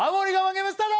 ゲームスタート